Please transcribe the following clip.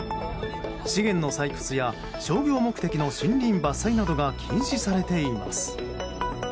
資源の採掘や商業目的の森林伐採などが禁止されています。